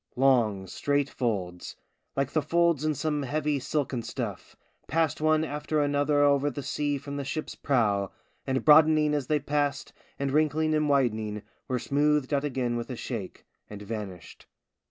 Long, straight folds, like the folds in some heavy silken stuff, passed one after another over the sea from the ship's prow, and broadening as they passed, and wrinkling and widening, were smoothed out again with a shake, and vanished.